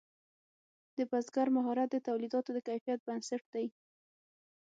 د بزګر مهارت د تولیداتو د کیفیت بنسټ دی.